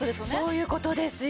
そういう事ですよ。